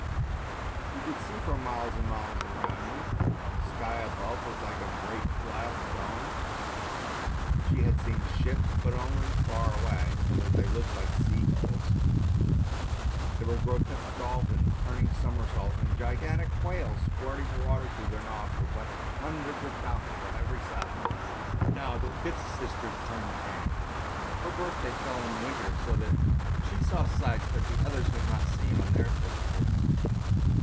You could see for miles and miles around you, and the sky above was like a great glass dome. She had seen ships, but only far away, so that they looked like sea gulls. There were grotesque dolphins turning somersaults, and gigantic whales squirting water through their nostrils like hundreds of fountains on every side. Now the fifth sister's turn came. Her birthday fell in the winter, so that she saw sights that the others had not seen on their first trips.